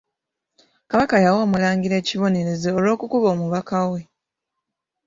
Kabaka yawa Omulangira ekibonerezo olw'okukuba omubaka we.